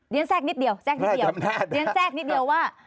เรียนแทรกนิดเดียวเรียนแทรกนิดเดียวว่า